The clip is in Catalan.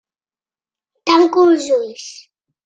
Tanco els ulls.